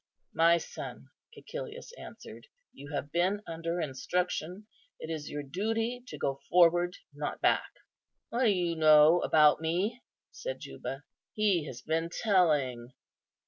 "My son," Cæcilius answered, "you have been under instruction; it is your duty to go forward, not back." "What do you know about me?" said Juba; "he has been telling."